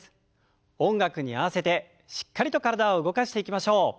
音楽に合わせてしっかりと体を動かしていきましょう。